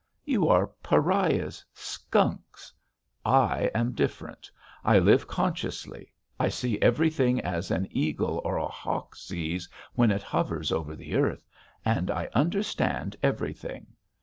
You are pariahs, skunks.... I am different. I live consciously. I see everything, as an eagle or a hawk sees when it hovers over the earth, and I understand everything.